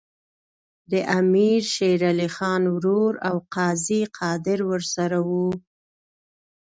د امیر شېر علي خان ورور او قاضي قادر ورسره وو.